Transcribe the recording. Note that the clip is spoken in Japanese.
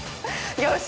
よし！